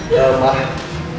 ya udah pak